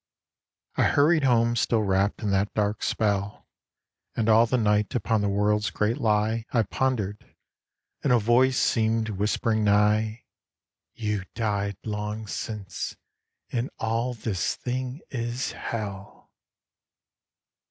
I hurried home still wrapt in that dark spell, And all the night upon the world's great lie I pondered, and a voice seemed whisp'ring nigh, " You died long since, and all this thing is hell!"